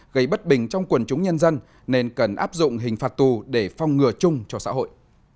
gây bất bình trong quần chúng nhân dân nên cần áp dụng hình phạt tù để phong ngừa chung cho xã hội